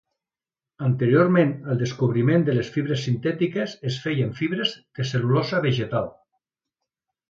Anteriorment al descobriment de les fibres sintètiques es feien fibres de la cel·lulosa vegetal.